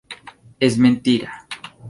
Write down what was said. Es mentira.